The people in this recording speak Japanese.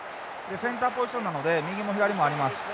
センターポジションなので右も左もあります。